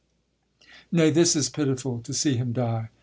Nay, this is pitiful, to see him die.